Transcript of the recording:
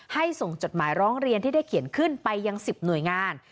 ส่งจดหมายร้องเรียนที่ได้เขียนขึ้นไปยัง๑๐หน่วยงาน